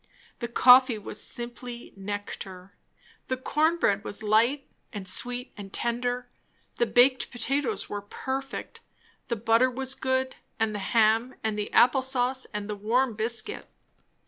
The coffee was simply nectar. The corn bread was light and sweet and tender; the baked potatoes were perfect; the butter was good, and the ham, and the apple sauce, and the warm biscuit.